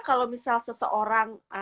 kalau misalnya seseorang